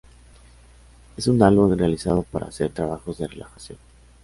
Es un álbum realizado para hacer trabajos de relajación.